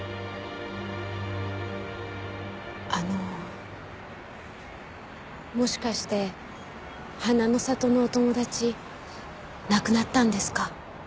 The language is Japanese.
あのもしかして花の里のお友達亡くなったんですか？